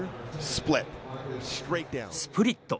スプリット。